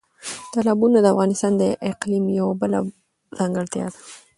تالابونه د افغانستان د اقلیم یوه بله ځانګړتیا ده.